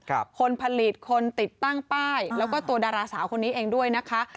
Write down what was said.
คนผลิตคนติดตั้งป้ายแล้วก็ตัวดาราสาวคนนี้เองด้วยนะคะ